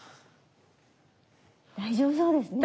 大丈夫そうですね